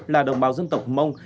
là đồng bào dân tộc mông